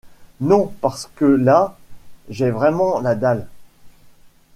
Non parce que là, j’ai vraiment la dalle.